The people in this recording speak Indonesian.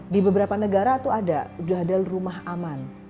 di beberapa negara itu ada sudah ada rumah aman